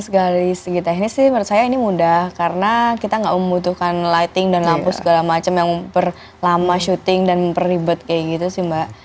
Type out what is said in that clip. dari segi teknis sih menurut saya ini mudah karena kita nggak membutuhkan lighting dan lampu segala macam yang memperlama syuting dan memperlibat kayak gitu sih mbak